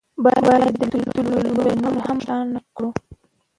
باید دا لیدلوری نور هم روښانه کړو.